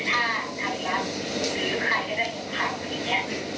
ถ้าเรียบรับหรือใครจะได้ถึงขัวขึ้นนี่เนี่ย